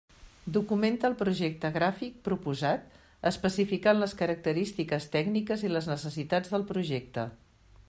Documenta el projecte gràfic proposat especificant les característiques tècniques i les necessitats del projecte.